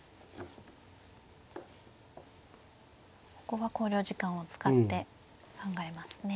ここは考慮時間を使って考えますね。